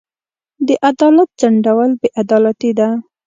د عدالت ځنډول بې عدالتي ده.